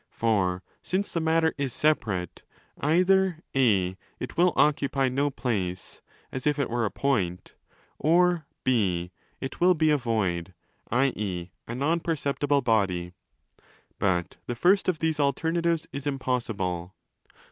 For since the matter® is 'separate', either (a) it will occupy no place (as if it were a point), or (6) it will be a 'void', i.e. a non perceptible body. But the first of these alternatives is impossible.